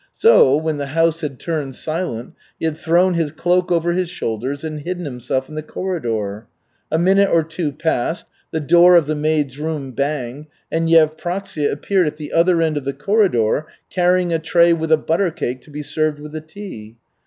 So, when the house had turned silent, he had thrown his cloak over his shoulders and hidden himself in the corridor. A minute or two passed, the door of the maids' room banged, and Yevpraksia appeared at the other end of the corridor, carrying a tray with a butter cake to be served with the tea.